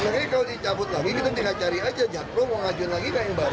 nanti kalau dicabut lagi kita tinggal cari aja jakpro mau ngajuin lagi nggak yang baru